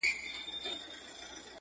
د استاد مرهون نظر ته ځواب